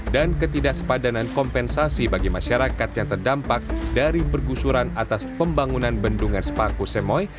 dan ketidaksepadanan kompensasi bagi masyarakat yang terdampak dari bergusuran atas pembangunan bendungan sepaku semoy